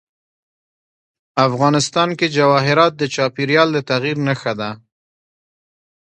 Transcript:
افغانستان کې جواهرات د چاپېریال د تغیر نښه ده.